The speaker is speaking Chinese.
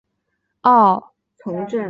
奥埃岑是德国下萨克森州的一个市镇。